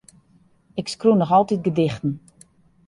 Ik skriuw noch altyd gedichten.